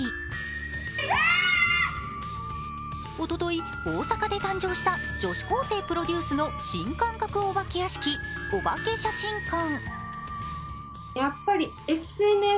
おととい、大阪で誕生した女子高生プロデュースの新感覚お化け屋敷、お化け写真館。